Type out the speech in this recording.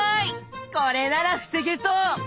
これなら防げそう！